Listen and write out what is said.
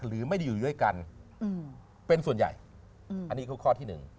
หรือไม่ได้อยู่ด้วยกันเป็นส่วนใหญ่อันนี้คือข้อที่หนึ่ง